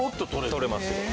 取れますよ。